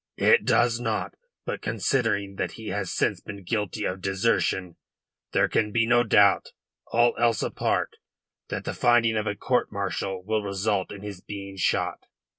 "It does not. But considering that he has since been guilty of desertion, there can be no doubt all else apart that the finding of a court martial will result in his being shot."